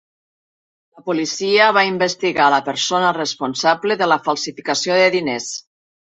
La policia va investigar la persona responsable de la falsificació de diners.